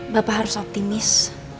bapak harus optimis